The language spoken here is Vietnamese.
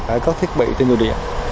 ở các thiết bị tên địa